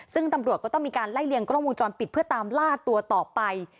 ซึ่งตำรวจก็ต้องมีการไล่เลี่ยงกล้องวงจรปิดเพื่อตามล่าตัวต่อไป